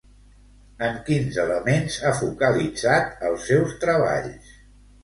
En quins elements ha focalitzat els seus treballs?